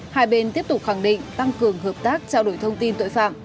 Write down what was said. hai bên tiếp tục khẳng định tăng cường hợp tác trao đổi thông tin tội phạm